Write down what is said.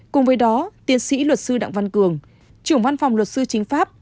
cùng với đó tiến sĩ luật sư đặng văn cường trưởng văn phòng luật sư chính pháp